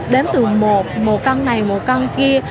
đếm từ một một căn này một căn kia